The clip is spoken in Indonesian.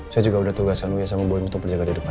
saya juga udah tugaskan wia sama boy untuk perjagaan kehidupan